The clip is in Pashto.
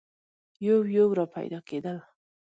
یو یو را پیدا کېدل.